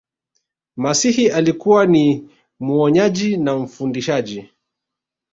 masihi alikuwa ni muonyaji na mfundisaji